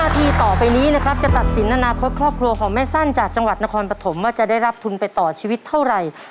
ทีต่อไปนี้นะครับจะตัดสินอนาคตครอบครัวของแม่สั้นจากจังหวัดนครปฐมว่าจะได้รับทุนไปต่อชีวิตเท่าไหร่